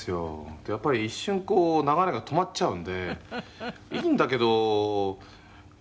「でやっぱり一瞬こう流れが止まっちゃうんでいいんだけどでもこれはね